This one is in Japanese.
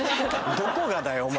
どこがだよお前